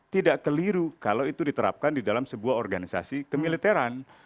tidak keliru kalau itu diterapkan di dalam sebuah organisasi kemiliteran